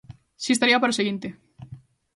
Si estaría para o seguinte.